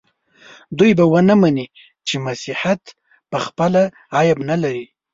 دوی به ونه مني چې مسیحیت پخپله عیب نه لري.